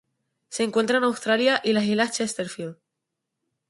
Se encuentra en Australia y las Islas Chesterfield.